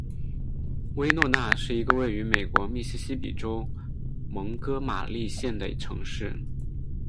威诺纳是一个位于美国密西西比州蒙哥马利县的城市。